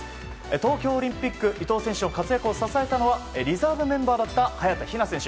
東京オリンピック伊藤選手の活躍を支えたのはリザーブメンバーだった早田ひな選手。